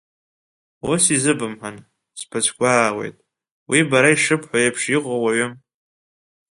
Ус изыбымҳәан, сбыцәгәаауеит, уи бара ишыбҳәо еиԥш иҟоу уаҩым…